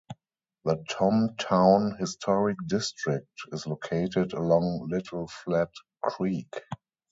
The Tom Town Historic District is located along Little Flat Creek.